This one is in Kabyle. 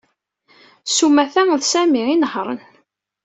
S umata, d Sami i inehhṛen.